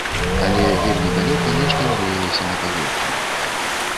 Але вельмі далёка нешта мроілася на паверхні.